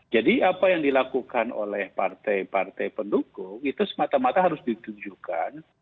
jadi apa yang dilakukan oleh partai partai pendukung itu semata mata harus ditunjukkan